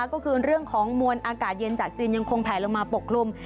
ก็คือเรื่องของมวลอากาศเย็นจากจีนยังคงแผลลงมาปกคลุม